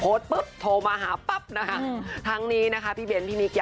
คุณแม่ก็อายุเยอะแล้วด้วย